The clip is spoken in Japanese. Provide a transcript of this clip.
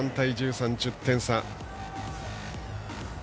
２３対１３、１０点差。